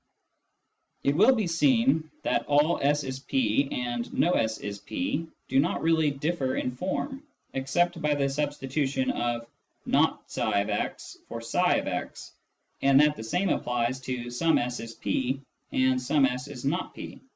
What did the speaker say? It will be seen that " all S is P " and " no S is P " do not really differ in form, except by the substitution of not tfix for tfix, and that the same applies to " some S is P " and " some S is not P."